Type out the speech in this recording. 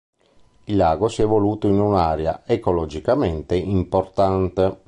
Il lago si è evoluto in un'area ecologicamente importante.